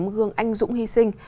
gương anh dũng hy sinh